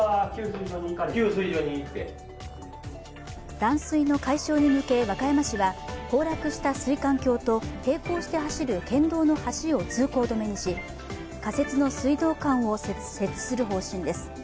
断水の解消に向け和歌山市は崩落した水管橋と並行して走る県道の橋を通行止めにし、仮設の水道管を設置する方針です。